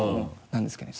何ですかね